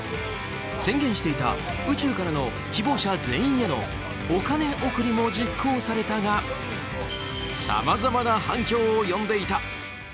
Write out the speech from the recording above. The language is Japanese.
宣言していた宇宙からの希望者全員へのお金贈りも実行されたがさまざまな反響を呼んでいた。